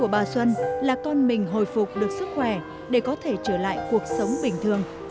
bà xuân là con mình hồi phục được sức khỏe để có thể trở lại cuộc sống bình thường